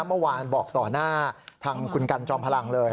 เมื่อวานบอกต่อหน้าทางคุณกันจอมพลังเลย